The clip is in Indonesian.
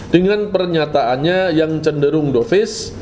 dengan pernyataannya yang cenderung dovis